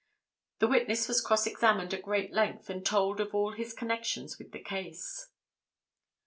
'" The witness was cross examined at great length and told of all his connections with the case.